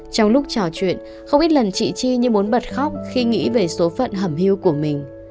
trong lúc trò chuyện không ít lần chị chi như muốn bật khóc khi nghĩ về số phận hưu của mình